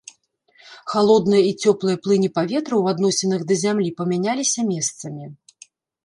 Халодныя і цёплыя плыні паветра ў адносінах да зямлі памяняліся месцамі.